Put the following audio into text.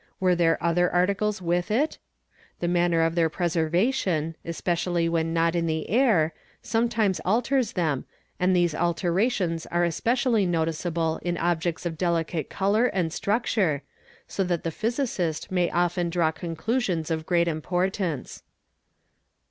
were there other articles with it? The manner of their preservation, especially when not in the air, sometimes alters them and these alterations are especially noticeable in objects of delicate colour and structure, so that the physicist may often draw conclusions of great importance.